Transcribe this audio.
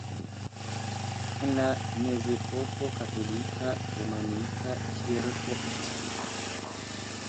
En la mezepoko katolika romanika kirko estis tie.